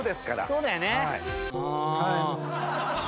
そうだよね。